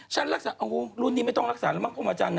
ฉันรักษารุ่นนี้ไม่ต้องรักษาแล้วมั้งคงอาจารย์นะ